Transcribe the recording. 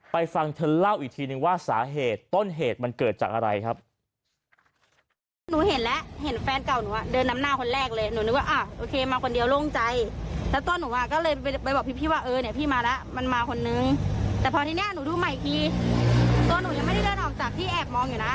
ฟังเธอเล่าอีกทีนึงว่าสาเหตุต้นเหตุมันเกิดจากอะไรครับ